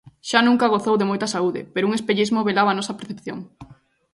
Xa nunca gozou de moita saúde, pero un espellismo velaba a nosa percepción.